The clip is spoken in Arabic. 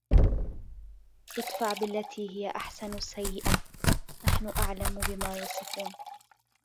ادفع بالتي هي أحسن السيئة نحن أعلم بما يصفون